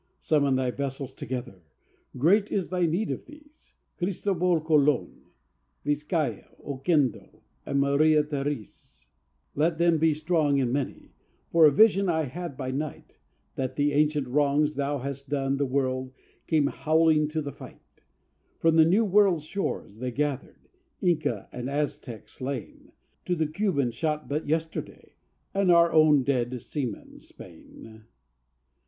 III Summon thy vessels together! great is thy need for these! Cristobal Colon, Vizcaya, Oquendo, and Maria Terese Let them be strong and many, for a vision I had by night, That the ancient wrongs thou hast done the world came howling to the fight: From the New World's shores they gathered, Inca and Aztec slain, To the Cuban shot but yesterday, and our own dead seamen, Spain!